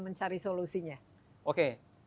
mencari solusinya oke